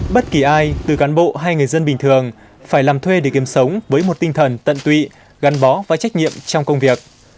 bất kỳ ai từ cán bộ hay người dân bình thường phải làm thuê để kiếm sống với một tinh thần tận tụy gắn bó và trách nhiệm trong công việc